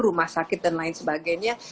rumah sakit dan lain sebagainya